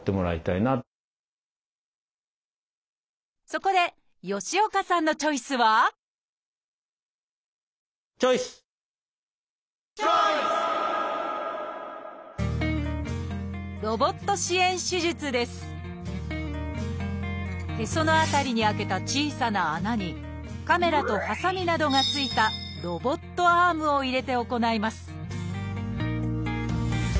そこで吉岡さんのチョイスはチョイス！へその辺りに開けた小さな穴にカメラとはさみなどが付いたロボットアームを入れて行います